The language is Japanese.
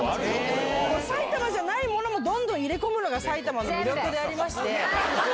埼玉じゃないものもどんどん入れ込むのが埼玉の魅力でありまして。